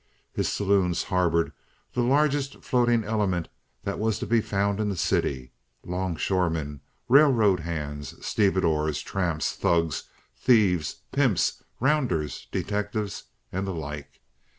His saloons harbored the largest floating element that was to be found in the city—longshoremen, railroad hands, stevedores, tramps, thugs, thieves, pimps, rounders, detectives, and the like.